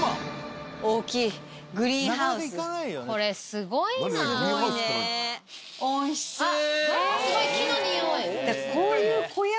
すごいね。わすごい木のにおい。